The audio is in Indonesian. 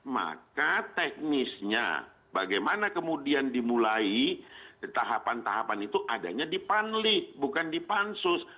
maka teknisnya bagaimana kemudian dimulai tahapan tahapan itu adanya di panli bukan di pansus